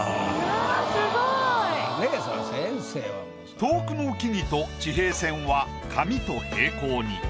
遠くの木々と地平線は紙と平行に。